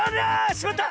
しまった！